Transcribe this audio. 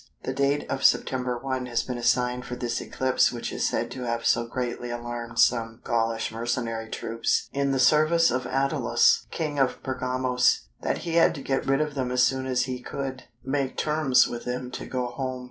The date of September 1 has been assigned for this eclipse which is said to have so greatly alarmed some Gaulish Mercenary troops in the service of Attalus, King of Pergamos, that he had to get rid of them as soon as he could—make terms with them to go home.